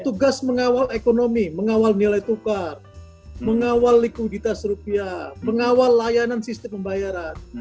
tugas mengawal ekonomi mengawal nilai tukar mengawal likuiditas rupiah mengawal layanan sistem pembayaran